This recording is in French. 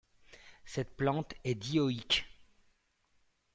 Cette plante est dioïque.